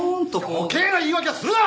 余計な言い訳はするな！